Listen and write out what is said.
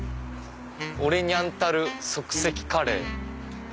「オレニャンタル即席カレー」。